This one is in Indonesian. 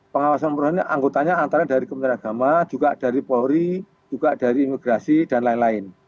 pengawasan perusahaan ini anggotanya antara dari kementerian agama juga dari polri juga dari imigrasi dan lain lain